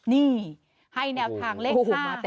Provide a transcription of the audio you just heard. นี่ให้แนวทางเลข๕